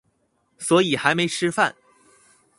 所以還沒吃飯